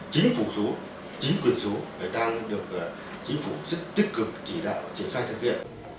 chính phủ số chính quyền số đang được chính phủ rất tích cực chỉ đạo triển khai thực hiện